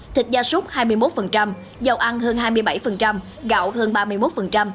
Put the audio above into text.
thịt da súc hai mươi một dầu ăn hơn hai mươi bảy gạo hơn ba mươi một